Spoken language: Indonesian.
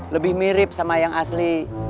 lebih mirip sama yang asli